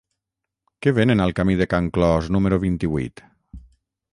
Què venen al camí de Can Clos número vint-i-vuit?